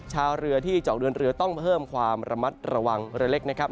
ชาวเรือที่เจาะเรือนเรือต้องเพิ่มความระมัดระวังเรือเล็กนะครับ